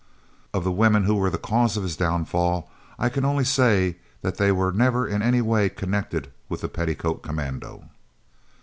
Of the women who were the cause of his downfall I can only say that they were never in any way connected with the "Petticoat Commando."